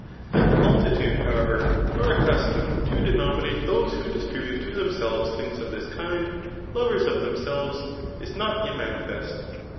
That the multitude, however, 2re accustomed to denominate those who distribute to dien»elves thmgs of this kind, lovers of themselveSi is hot immanifest.